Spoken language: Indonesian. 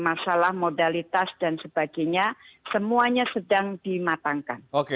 masalah modalitas dan sebagainya semuanya sedang dimatangkan